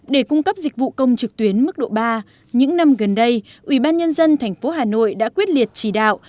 để cung cấp dịch vụ công trực tuyến mức độ ba những năm gần đây ubnd tp hà nội đã quyết liệt chỉ đạo